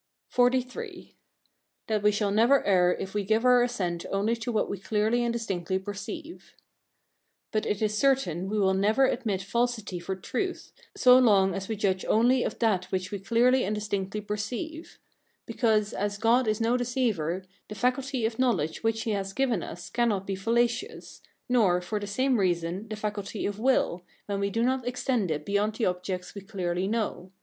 XLIII. That we shall never err if we give our assent only to what we clearly and distinctly perceive. But it is certain we will never admit falsity for truth, so long as we judge only of that which we clearly and distinctly perceive; because, as God is no deceiver, the faculty of knowledge which he has given us cannot be fallacious, nor, for the same reason, the faculty of will, when we do not extend it beyond the objects we clearly know.